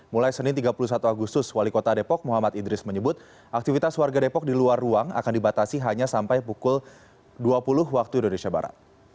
mulai senin tiga puluh satu agustus wali kota depok muhammad idris menyebut aktivitas warga depok di luar ruang akan dibatasi hanya sampai pukul dua puluh waktu indonesia barat